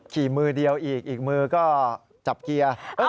ขี่มือเดียวอีกอีกมือก็จับเกียร์